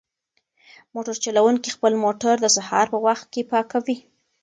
موټر چلونکی خپل موټر د سهار په وخت کې پاکوي.